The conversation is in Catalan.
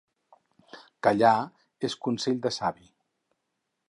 Callar és consell de savi.